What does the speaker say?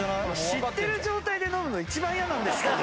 知ってる状態で飲むの一番嫌なんですけど。